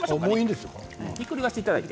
ひっくり返していただいて。